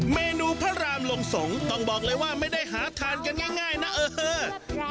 เมนูพระรามลงสงฆ์ต้องบอกเลยว่าไม่ได้หาทานกันง่ายนะเออ